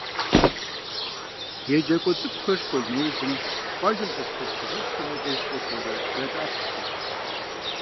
Еджакӏуэ цӏыкӏухэр школ нэужьым къуажэм дэс лӏыжь-фызыжьхэм я деж кӏуэхэурэ, ядэӏэпыкъухэрт.